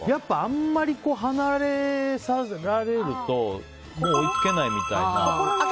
あんまり離れられるともう追いつけないみたいな。